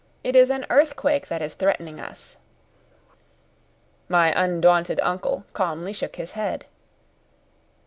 It is an earthquake that is threatening us." My undaunted uncle calmly shook his head.